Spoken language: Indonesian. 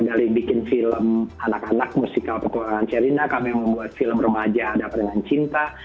dari bikin film anak anak musikal pekuangan serina kami membuat film remaja ada peringan cinta